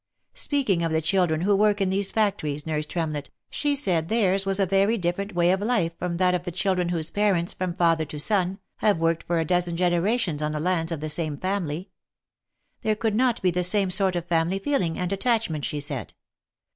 Speaking of the children who work in these factories, nurse Tremlett, she said theirs was a very different way of life from that of the children whose parents, from father to son, have worked for a dozen generations on the lands of the same family. There could not be the same sort of family feeling and attachment, she said.